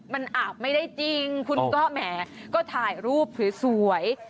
มันอาบไม่ได้จริงคุณก็แหมก็ถ่ายรูปสวย